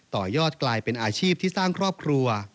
ต่อยอดกลายเป็นอาชีพที่สร้างครอบครัว